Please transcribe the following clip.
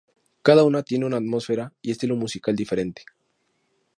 Cada una tiene una atmósfera y estilo musical diferente.